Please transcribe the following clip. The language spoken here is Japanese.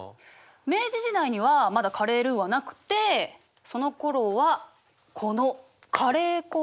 明治時代にはまだカレールーはなくてそのころはこのカレー粉をね使って料理してたの。